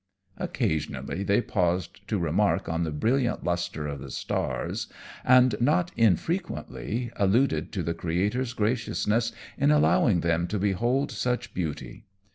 Occasionally they paused to remark on the brilliant lustre of the stars, and, not infrequently, alluded to the Creator's graciousness in allowing them to behold such beauty.